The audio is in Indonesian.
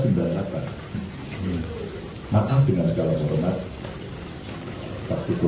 maaf dengan segala perempuan idiak